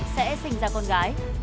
sẽ sinh ra con gái